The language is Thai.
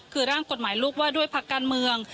คือร่างกฎหมายลูกว่าด้วยพักการเมือง